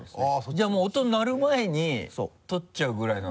じゃあもう音鳴る前に取っちゃうぐらいの？